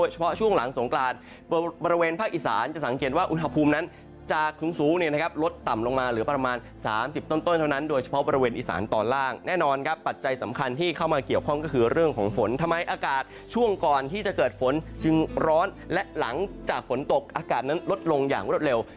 เฉพาะช่วงหลังสงกรานบริเวณภาคอีสานจะสังเกตว่าอุณหภูมินั้นจะสูงลดต่ำลงมาเหลือประมาณ๓๐ต้นเท่านั้นโดยเฉพาะบริเวณอีสานตอนล่างแน่นอนครับปัจจัยสำคัญที่เข้ามาเกี่ยวข้องก็คือเรื่องของฝนทำไมอากาศช่วงก่อนที่จะเกิดฝนจึงร้อนและหลังจากฝนตกอากาศนั้นลดลงอย่างรวดเร็ว